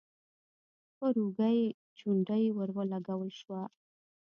په اوږه يې چونډۍ ور ولګول شوه: